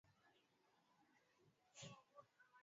thomas aliwasaidia abiria kupanda boti ya uokoaji